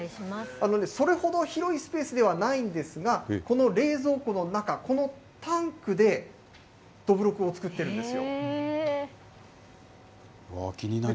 それほど広いスペースではないんですが、この冷蔵庫の中、このタンクで、どぶろくを作ってるんで気になります。